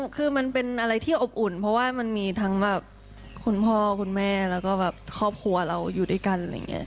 คือมันเป็นอะไรที่อบอุ่นเพราะว่ามันมีทั้งคุณพ่อคุณแม่แล้วก็ครอบครัวเราอยู่ด้วยกัน